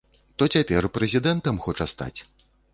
То цяпер прэзідэнтам хоча стаць.